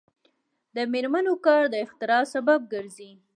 د میرمنو کار د اختراع سبب ګرځي.